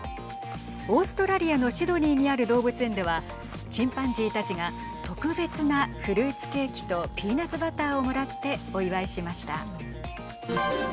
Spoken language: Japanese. オーストラリアのシドニーにある動物園ではチンパンジーたちが特別なフルーツケーキとピーナッツバターをもらってお祝いしました。